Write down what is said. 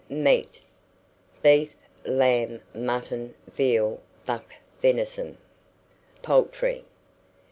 MEAT. Beef, lamb, mutton, veal, buck venison. POULTRY.